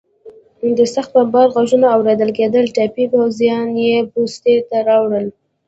د سخت بمبار غږونه اورېدل کېدل، ټپي پوځیان یې پوستې ته راوړل.